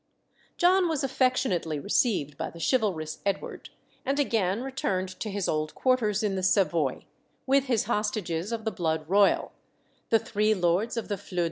John was affectionately received by the chivalrous Edward, and again returned to his old quarters in the Savoy, with his hostages of the blood royal "the three lords of the fleur de lys."